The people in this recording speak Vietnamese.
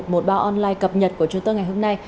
một báo online cập nhật của chúng tôi ngày hôm nay